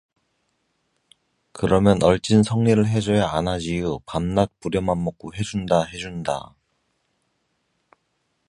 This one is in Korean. “그러면 얼찐 성례를 해줘야 안하지유. 밤낮 부려만 먹구 해준다, 해준다……”